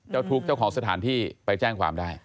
ทุกเจ้าของสถานที่ไปแจ้งความได้